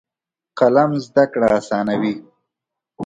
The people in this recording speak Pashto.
قلم زده کړه اسانوي.